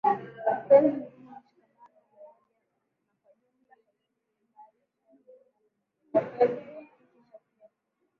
mapenzi huruma mshikamano umoja na kwa ujumla kuimarisha udugu wa kweli Kuhakikisha pia kuwa